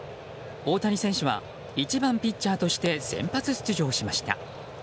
大谷選手は１番ピッチャーとして先発出場しました。